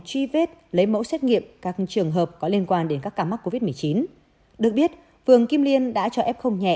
truy vết lấy mẫu xét nghiệm các trường hợp có liên quan đến các ca mắc covid một mươi chín được biết vườn kim liên đã cho f nhẹ